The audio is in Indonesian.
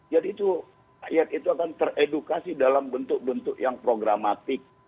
jadi itu rakyat akan teredukasi dalam bentuk bentuk yang programatik